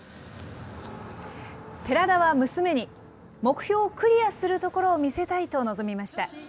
寺田は娘に、目標をクリアするところを見せたいと臨みました。